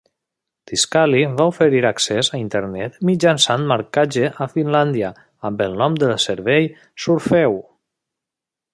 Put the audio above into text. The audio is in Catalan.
Tiscali va oferir accés a Internet mitjançant marcatge a Finlàndia amb el nom de servei "Surfeu".